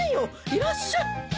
いらっしゃい。